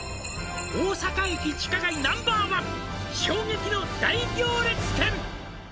「大阪駅地下街Ｎｏ．１」「衝撃の大行列店」